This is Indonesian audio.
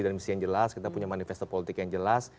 dan misi yang jelas kita punya manifesto politik yang jelas